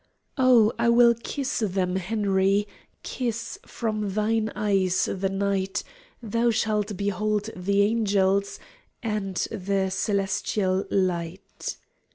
"Oh, I will kiss them, Henry, Kiss from thine eyes the night. Thou shalt behold the angels And the celestial light."